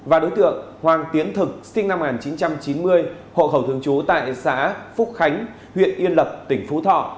và đối tượng hoàng tiến thực sinh năm một nghìn chín trăm chín mươi hộ khẩu thường trú tại xã phúc khánh huyện yên lập tỉnh phú thọ